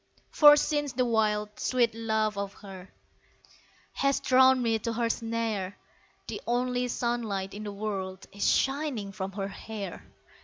For since the wild, sweet laugh of her Has drawn me to her snare, The only sunlight in the world Is shining from her hair.